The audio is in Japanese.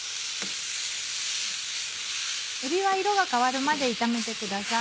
えびは色が変わるまで炒めてください。